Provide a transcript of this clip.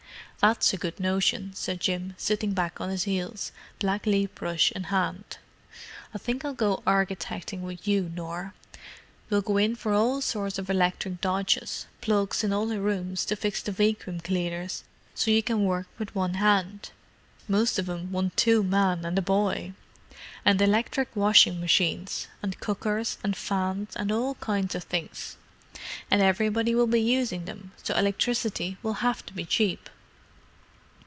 "That's a good notion," said Jim, sitting back on his heels, blacklead brush in hand. "I think I'll go architecting with you, Nor. We'll go in for all sorts of electric dodges; plugs in all the rooms to fix to vacuum cleaners you can work with one hand—most of 'em want two men and a boy; and electric washing machines, and cookers, and fans and all kinds of things. And everybody will be using them, so electricity will have to be cheap."